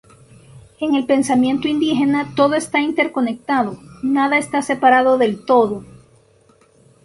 En el pensamiento indígena todo está interconectado, nada está separado del todo.